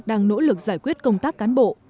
đang nỗ lực giải quyết công tác cán bộ